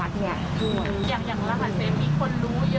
อย่างรหัสเซมมีคนรู้เยอะไหมคะพี่แอน